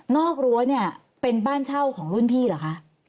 กรั้วเนี่ยเป็นบ้านเช่าของรุ่นพี่เหรอคะ